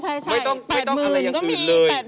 ใช่๘หมื่นก็มียังเอง